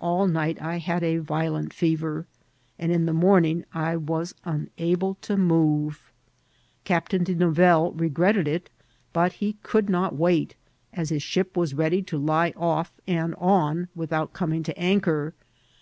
All night I had a violent fever, and in the morning I was unable to move. Captain De Nou velle regretted it, but he could not wait, as his ship was ready to lie off and on without coming to anchor.